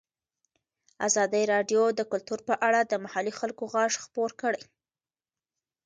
ازادي راډیو د کلتور په اړه د محلي خلکو غږ خپور کړی.